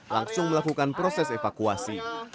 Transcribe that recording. langsung melakukan proses evakuasi